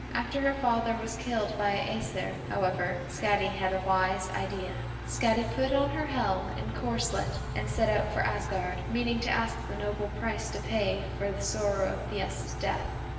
After her father was killed by the Æsir, however, Skadi had a wise idea. Skadi put on her helm and corselet and set out for Asgard, meaning to ask a noble price to pay for the sorrow of Thiasse's death.